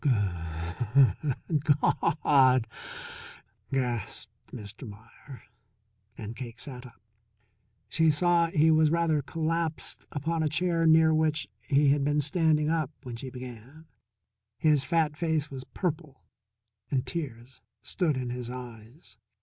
"Goo hood Gaw hud!" gasped Mr. Meier, and Cake sat up. She saw he was rather collapsed upon a chair near which he had been standing up when she began. His fat face was purple, and tears stood in his eyes.